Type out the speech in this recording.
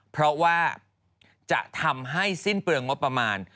เพราะว่าจะทำให้สิ้นเปลืองงบประมาณ